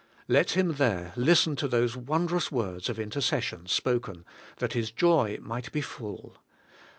Let him there listen to those wondrous words of intercession spoken, that his joy might be full.